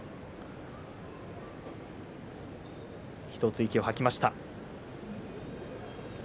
１つ息を吐きました。